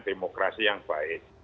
demokrasi yang baik